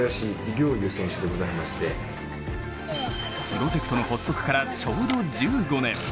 プロジェクトの発足からちょうど１５年。